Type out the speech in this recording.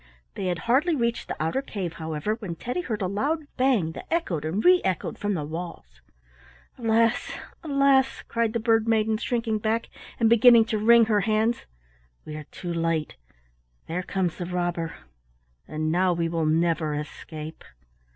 They had hardly reached the outer cave, however, when Teddy heard a loud bang that echoed and re echoed from the walls. "Alas! Alas!" cried the Bird maiden, shrinking back and beginning to wring her hands, "we are too late. There comes the robber, and now we will never escape."